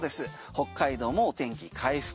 北海道も天気回復。